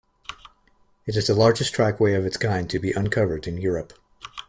It is the largest trackway of its kind to be uncovered in Europe.